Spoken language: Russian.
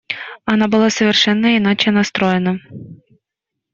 Она была совершенно иначе настроена.